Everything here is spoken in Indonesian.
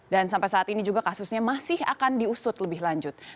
dan sampai saat ini juga kasusnya masih akan diusut lebih lanjut